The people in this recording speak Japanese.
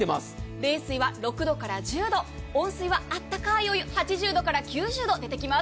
冷水は６度から１０度温水は温かいお湯８０度から９０度が出てきます。